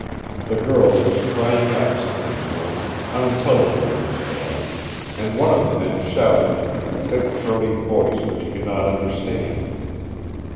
The girl was crying out something to him, unintelligible in the storm, and one of the men shouted in a thick throaty voice which he could not understand.